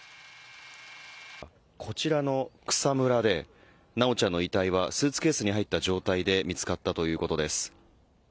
こちらの草むらで修ちゃんの遺体はスーツケースに入った状態で見つかったということです。